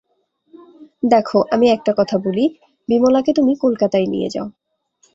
দেখো, আমি একটি কথা বলি, বিমলাকে তুমি কলকাতায় নিয়ে যাও।